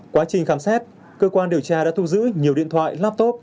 quá trình khám xét cơ quan điều tra đã thu giữ nhiều điện thoại laptop